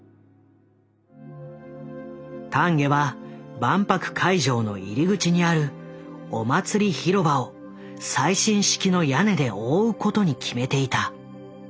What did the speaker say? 丹下は万博会場の入り口にあるお祭り広場を最新式の屋根で覆うことに決めていた。